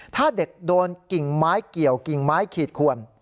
ถ้าเด็กโดนกิ่งไม้เกี่ยวกิ่งไม้ขีดขวน